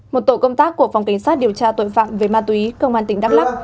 một tổ công tác của phòng cảnh sát điều tra tội phạm về ma túy công an tỉnh đắk lắc